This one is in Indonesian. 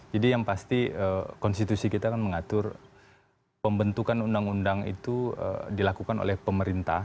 jadi yang pasti konstitusi kita akan mengatur pembentukan undang undang itu dilakukan oleh pemerintah